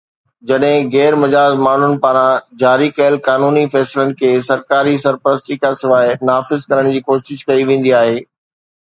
جڏهن غير مجاز ماڻهن پاران جاري ڪيل قانوني فيصلن کي سرڪاري سرپرستي کانسواءِ نافذ ڪرڻ جي ڪوشش ڪئي ويندي آهي